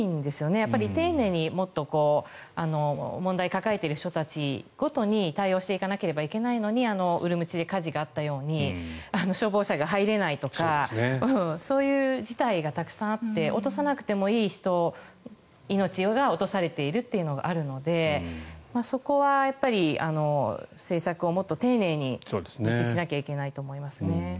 やっぱり丁寧に、もっと問題を抱えている人たちごとに対応していかなければいけないのにウルムチで火事があったように消防車が入れないとかそういう事態がたくさんあって落とさなくてもいい命が落とされているというのがあるのでそこは政策をもっと丁寧に実施しなきゃいけないと思いますね。